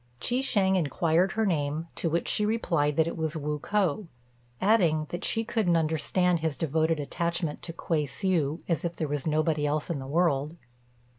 Chi shêng inquired her name; to which she replied that it was Wu k'o, adding that she couldn't understand his devoted attachment to Kuei hsiu, as if there was nobody else in the world.